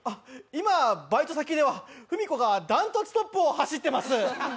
今、バイト先ではフミコが断トツトップを走ってます。